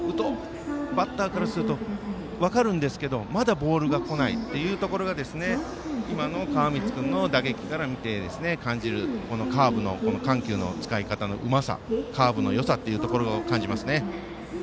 バッターからすると分かるんですけどまだボールがこないというところが今の川満君の打撃から見て感じるカーブの緩急の使い方のうまさカーブのよさというところを感じますね。